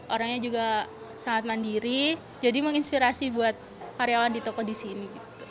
orangnya juga sangat mandiri jadi menginspirasi buat karyawan di toko di sini